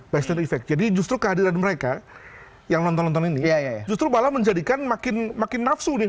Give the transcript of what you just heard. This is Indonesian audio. by stone effect jadi justru kehadiran mereka yang nonton nonton ini justru malah menjadikan makin nafsu nih